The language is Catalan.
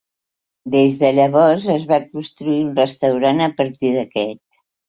Des de llavors es va construir un restaurant a partir d'aquest.